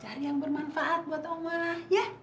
cari yang bermanfaat buat allah ya